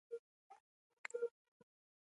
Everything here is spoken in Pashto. • باران د کلیو خلکو ته خوشحالي راوړي.